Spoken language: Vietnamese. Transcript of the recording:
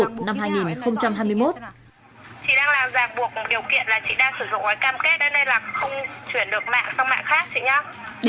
chị đang làm giảm buộc điều kiện là chị đang sử dụng gói cam kết nên đây là không chuyển được mạng sang mạng khác chị nhé